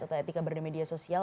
atau etika berada media sosial